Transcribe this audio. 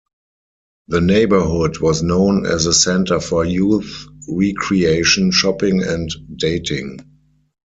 The neighborhood was known as a center for youth recreation, shopping, and dating.